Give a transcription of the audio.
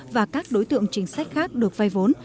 và các đối tượng chính sách khác được vay vốn